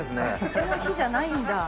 その日じゃないんだ。